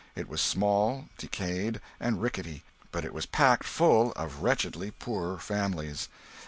It was small, decayed, and rickety, but it was packed full of wretchedly poor families.